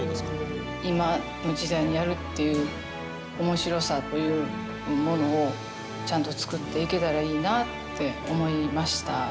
今の時代にやるっていうおもしろさというものを、ちゃんと作っていけたらいいなぁって思いました。